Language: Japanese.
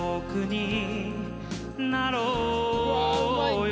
おい！